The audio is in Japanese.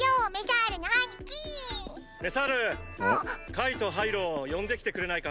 カイとハイロを呼んで来てくれないか？